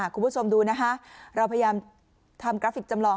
คุณผู้ชมดูนะคะเราพยายามทำกราฟิกจำลอง